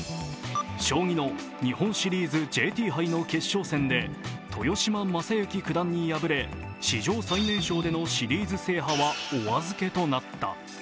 将棋の日本シリーズＪＴ杯の決勝で豊島将之九段に敗れ史上最年少でのシリーズ制覇はお預けとなった。